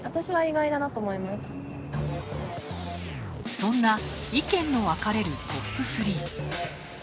そんな意見の分かれるトップ３。